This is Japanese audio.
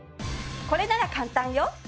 これなら簡単よ。